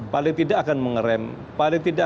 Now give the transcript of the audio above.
paling tidak akan mengerem paling tidak